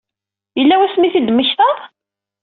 Yella wasmi i t-id-temmektaḍ?